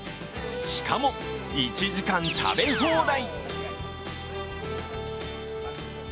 しかも、１時間食べ放題。